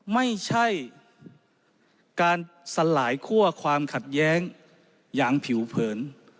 ไม่ใช่การสลายคั่วความขัดแย้งอย่างผิวเผิน